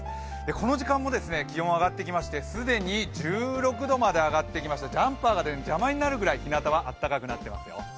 この時間も気温、上がってきまして既に１６度まで上がってきましてジャンパーが邪魔になるぐらいひなたは暖かくなっていますよ。